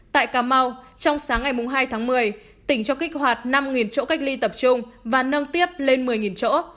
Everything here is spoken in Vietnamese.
tại cà mau trong sáng ngày hai tháng một mươi tỉnh cho kích hoạt năm chỗ cách ly tập trung và nâng tiếp lên một mươi chỗ